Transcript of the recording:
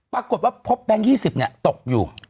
ปรากฏว่าพบแบงก์๒๐เนี่ยตกอยู่